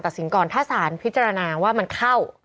สินก่อนถ้าสารพิจารณาว่ามันเข้า